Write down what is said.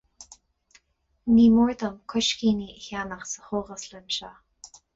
Ní mór dom coiscíní a cheannach sa chógaslann seo.